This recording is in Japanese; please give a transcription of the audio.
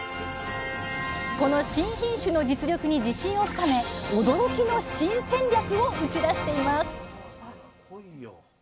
この新品種の実力に自信を深め驚きの新戦略を打ち出しています